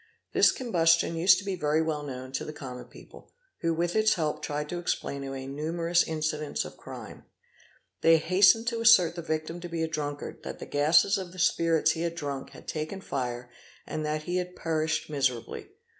This combus _ tion used to be very well known to the common people, who with its help _ tried to explain away numerous incidents of crime: they hastened to _ assert the victim to be a drunkard, that the gases of the spirits he had _ drunk had taken fire, and that he had perished miserably.